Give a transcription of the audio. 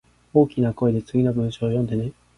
大きな声で次の文章を読んでね